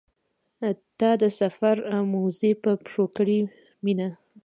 تا د سفر موزې په پښو کړې مینه.